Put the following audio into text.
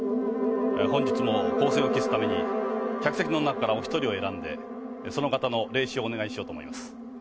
本日も公正を期すために客席の中からお１人を選んでその方の霊視をお願いしようと思います。